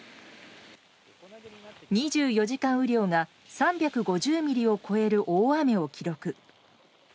２４時間雨量が３５０ミリを超える大雨を記録。